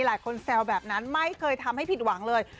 แซวแบบนั้นไม่เคยทำให้ผิดหวังเลย